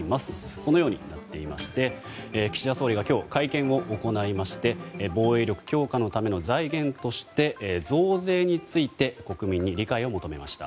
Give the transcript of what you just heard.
このようになっていまして岸田総理が今日会見を行いまして防衛力強化のための財源として増税について国民に理解を求めました。